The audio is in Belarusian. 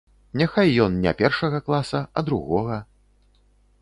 Няхай ён не першага класа, а другога.